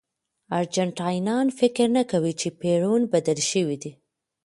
ارجنټاینان فکر نه کوي چې پېرون بدل شوی دی.